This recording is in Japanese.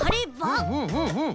うんうんうんうん！